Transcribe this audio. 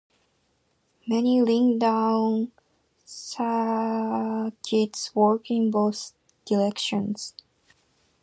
Many ringdown circuits work in both directions.